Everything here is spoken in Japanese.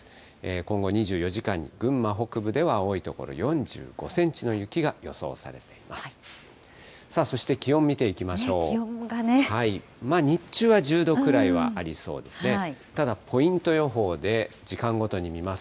今後２４時間に群馬北部では多い所４５センチの雪が予想されています。